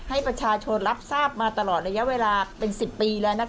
ให้ประชาชนรับทราบมาตลอดระยะเวลาเป็น๑๐ปีแล้ว